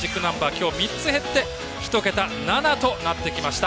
今日３つ減って１桁７となってきました。